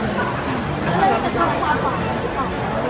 ช่องความหล่อของพี่ต้องการอันนี้นะครับ